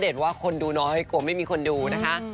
ว่าคนดูน้อยกลัวไม่มีคนดูนะคะ